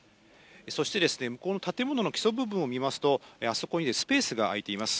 そして、向こうの建物の基礎部分を見ますと、あそこにスペースが空いています。